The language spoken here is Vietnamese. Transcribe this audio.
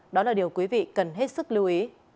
đó là điều quý vị cần hết sức lưu ý